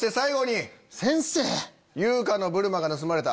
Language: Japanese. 優香のブルマーが盗まれた。